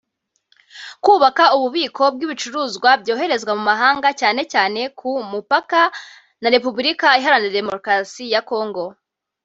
kubaka ububiko bw’ibicuruzwa byoherezwa mu mahanga cyane cyane ku mupaka na Repubulika Iharanira Demokarasi ya Congo